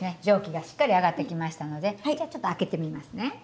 蒸気がしっかり上がってきましたのでじゃあちょっと開けてみますね。